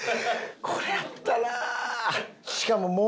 これやったな。